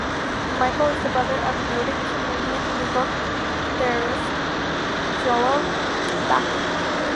Michael is the brother of noted Canadian legal theorist Joel Bakan.